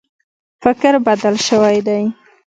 فکر بدل شوی دی.